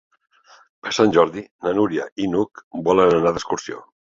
Per Sant Jordi na Núria i n'Hug volen anar d'excursió.